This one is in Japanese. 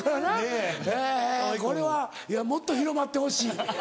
えこれはもっと広まってほしい。